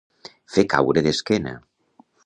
Fer caure d'esquena.